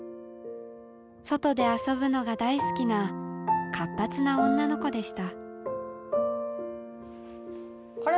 外で遊ぶのが大好きな活発な女の子でした。